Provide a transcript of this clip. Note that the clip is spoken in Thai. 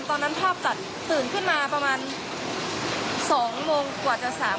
ตอนนั้นภาพตัดตื่นขึ้นมาประมาณ๒โมงกว่าจะสาม